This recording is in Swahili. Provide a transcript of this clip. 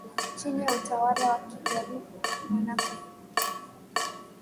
chini ya Utawala wa Kingalu Mwanafuko Lugege aliyekuwa Mzinga chini ya Utawala wa Magadu